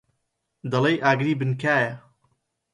دەڵێی ئاگری بن کایە.